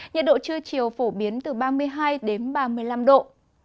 nhiệt độ trưa chiều phổ biến từ ba mươi hai đến ba mươi năm độ